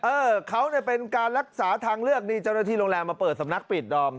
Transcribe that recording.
เออเขาเนี่ยเป็นการรักษาทางเลือกนี่เจ้าหน้าที่โรงแรมมาเปิดสำนักปิดดอม